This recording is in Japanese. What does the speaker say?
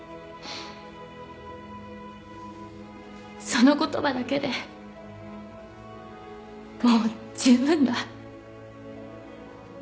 その言葉だけでもう十分だ。